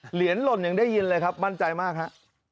หล่นอย่างได้ยินเลยครับมั่นใจมากฮะ